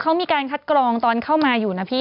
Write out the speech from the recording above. เขามีการคัดกรองตอนเข้ามาอยู่นะพี่